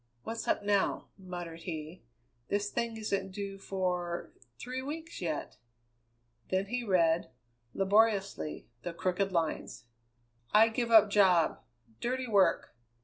"What's up now?" muttered he. "This thing isn't due for three weeks yet." Then he read, laboriously, the crooked lines: I give up job. Dirty work.